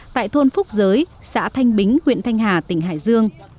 tại thôn phúc giới xã thanh bính huyện thanh hà tỉnh hải dương